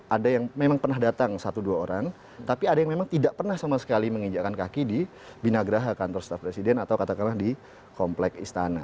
ada yang memang pernah datang satu dua orang tapi ada yang memang tidak pernah sama sekali menginjakkan kaki di binagraha kantor staff presiden atau katakanlah di komplek istana